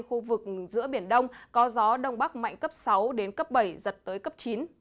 khu vực giữa biển đông có gió đông bắc mạnh cấp sáu đến cấp bảy giật tới cấp chín